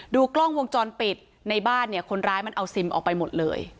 กล้องวงจรปิดในบ้านเนี่ยคนร้ายมันเอาซิมออกไปหมดเลย